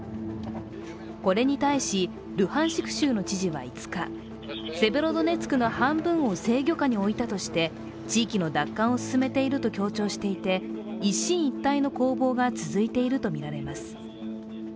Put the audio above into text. これに対し、ルハンシク州の知事は５日、セベロドネツクの半分を制御下に置いたとして地域の奪還を進めていると強調していて、一進一退の攻防が続いているとみられます。